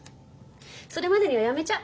それまでには辞めちゃう。